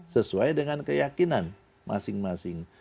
sesuai dengan keyakinan masing masing